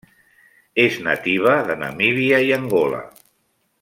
És nativa de Namíbia i Angola.